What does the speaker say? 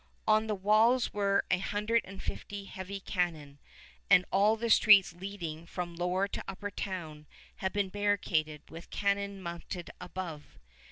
On the walls were a hundred and fifty heavy cannon, and all the streets leading from Lower to Upper Town had been barricaded with cannon mounted above.